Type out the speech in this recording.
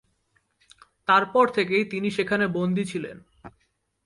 তারপর থেকেই তিনি সেখানে বন্দী ছিলেন।